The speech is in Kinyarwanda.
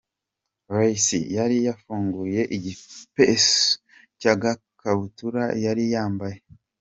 Ray C yari yafunguye igipesu cy'agakabutura yari yambaye.